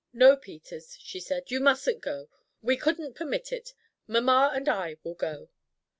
"No, Peters," she said, "you mustn't go. We couldn't permit it. Mamma and I will go."